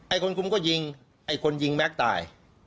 คนคุมก็ยิงไอ้คนยิงแม็กซ์ตาย